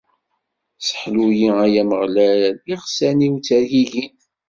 Sseḥlu-yi, ay Ameɣlal, iɣsan-iw ttergigin!